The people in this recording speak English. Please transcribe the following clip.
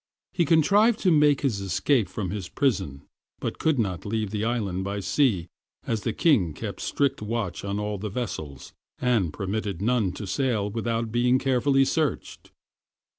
He contrived to make his escape from his prison, but could not leave the island by sea, as the king kept strict watch on all the vessels, and permitted none to sail without being carefully searched.